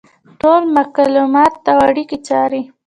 ټول مکالمات او اړیکې څاري.